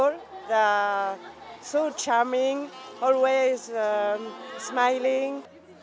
luôn mơ mộng